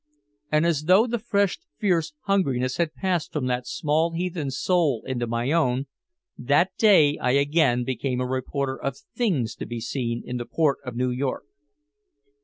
And as though the fresh fierce hungriness had passed from that small heathen's soul into my own, that day I again became a reporter of things to be seen in the port of New York.